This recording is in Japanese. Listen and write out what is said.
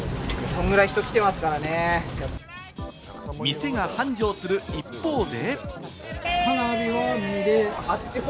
店が繁盛する一方で。